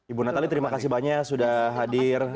ibu natali terima kasih banyak sudah hadir